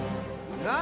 「何？